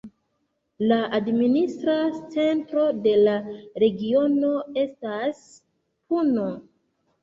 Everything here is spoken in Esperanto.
La administra centro de la regiono estas Puno.